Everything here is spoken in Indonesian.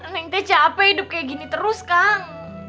neng teh capek hidup kayak gini terus kang